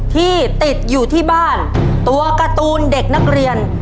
ที่ติดอยู่ที่บ้านตัวการ์ตูนเด็กนักเรียน